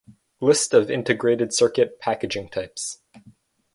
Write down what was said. List of integrated circuit packaging types